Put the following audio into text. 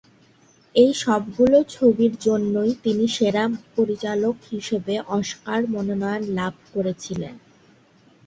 এই সবগুলো ছবির জন্যই তিনি সেরা পরিচালক হিসেবে অস্কার মনোনয়ন লাভ করেছিলেন।